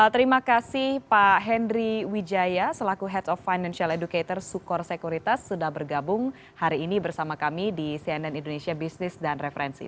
terima kasih pak henry wijaya selaku head of financial educator sukor sekuritas sudah bergabung hari ini bersama kami di cnn indonesia business dan referensi